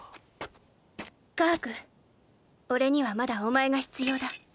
カハクおれにはまだお前が必要だ。